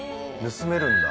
盗めるんだ。